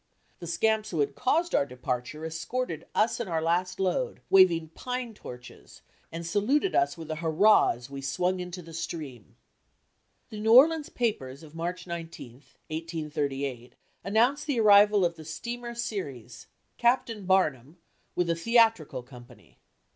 The scamps who had caused our departure escorted us and our last load, waving pine torches, and saluted us with a hurrah as we swung into the stream. The New Orleans papers of March 19, 1838, announced the arrival of the "Steamer Ceres, Captain Barnum, with a theatrical company."